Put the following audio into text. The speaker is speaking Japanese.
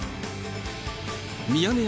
ミヤネ屋